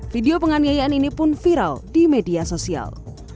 video penganiayaan ini pun viral di media sosial